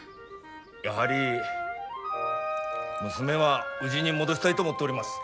やはり娘はうぢに戻したいと思っております。